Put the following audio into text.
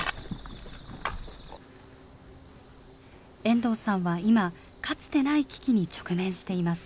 遠藤さんは今、かつてない危機に直面しています。